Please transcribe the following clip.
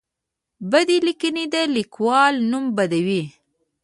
بدې لیکنې د لیکوال نوم بدوي.